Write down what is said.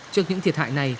trước những thiệt hại này